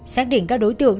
xác định các đối tượng